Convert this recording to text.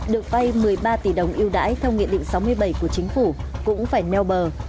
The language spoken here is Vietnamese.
được vay một mươi ba tỷ đồng yêu đãi theo nghị định sáu mươi bảy của chính phủ cũng phải neo bờ